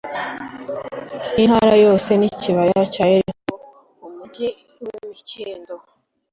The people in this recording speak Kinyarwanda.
n'intara yose y'ikibaya cya yeriko umugi w'imikindo